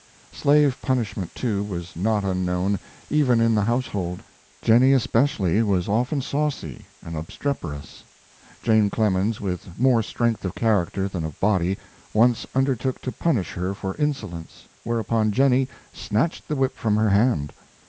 Slave punishment, too, was not unknown, even in the household. Jennie especially was often saucy and obstreperous. Jane Clemens, with more strength of character than of body, once undertook to punish her for insolence, whereupon Jennie snatched the whip from her hand.